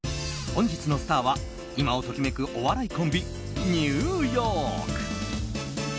本日のスターは今を時めくお笑いコンビニューヨーク。